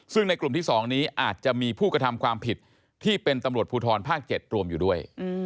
ซึ่งในกลุ่มที่๒นี้อาจจะมีผู้กระทำความผิดที่เป็นตำรวจภูทรภาค๗รวมอยู่ด้วย